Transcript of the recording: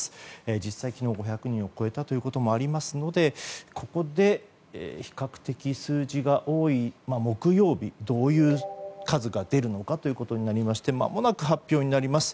実際、昨日５００人を超えたということもありますのでここで比較的数字が多い木曜日どういう数が出るのかということになりましてまもなく発表になります。